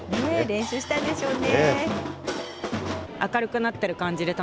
練習したんでしょうね。